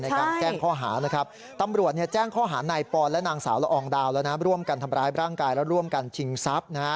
ในการแจ้งข้อหานะครับ